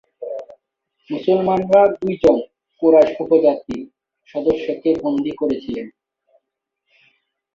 মুসলমানরা দু'জন কুরাইশ উপজাতির সদস্যকে বন্দী করেছিলেন।